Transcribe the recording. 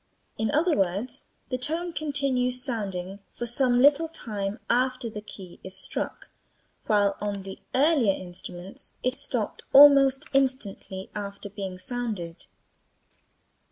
In other words the tone continues sounding for some little time after the key is struck, while on the earlier instruments it stopped almost instantly after being sounded.